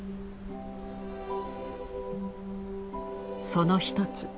その一つ。